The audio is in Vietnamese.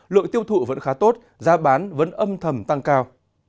lượng tiêu thụ vẫn khá tốt giá bán vẫn âm thầm tăng cao